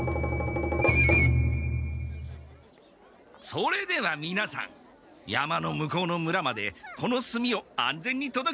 それではみなさん山の向こうの村までこの炭を安全にとどけてくださいね。